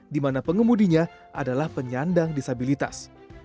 di mana pengemudinya adalah penyandang disabilitas